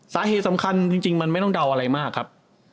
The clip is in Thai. สาเหตุสำคัญจริงมันไม่ต้องเดาอะไรมากครับ